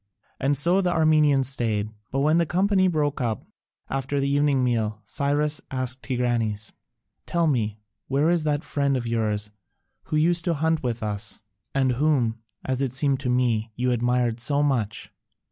And so the Armenians stayed. But when the company broke up after the evening meal, Cyrus asked Tigranes, "Tell me, where is that friend of yours who used to hunt with us, and whom, as it seemed to me, you admired so much?"